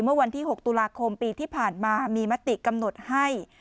เมื่อวันที่๖ตุลาคมปีที่ผ่านมามีมติกำหนดให้